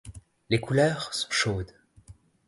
Les couleurs sont chaudes.